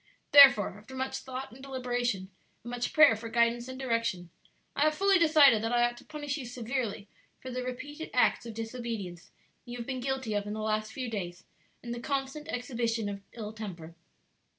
"Therefore, after much thought and deliberation, and much prayer for guidance and direction, I have fully decided that I ought to punish you severely for the repeated acts of disobedience you have been guilty of in the last few days, and the constant exhibition of ill temper.